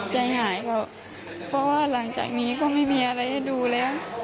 ใจหายบอกเพราะว่าหลังจากนี้ก็ไม่มีอะไรให้ดูแล้ว